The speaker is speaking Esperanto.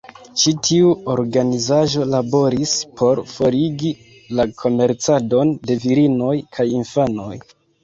Ĉi tiu organizaĵo laboris por forigi la komercadon de virinoj kaj infanoj.